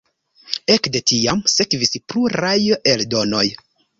Ekde tiam sekvis pluraj eldonoj.